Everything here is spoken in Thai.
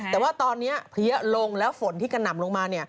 แต่ว่าตอนนี้เพี้ยลงแล้วฝนที่กระหน่ำลงมา